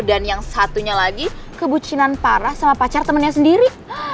dan yang satunya lagi kebucinan parah sama pacar temennya sendiri